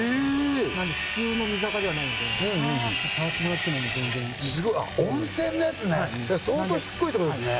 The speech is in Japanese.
なんで普通の水アカではないので触ってもらっても全然すごいあっ温泉のやつね相当しつこいってことですね